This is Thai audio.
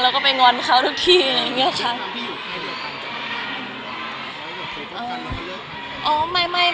แล้วก็ไปงรเขาทุกที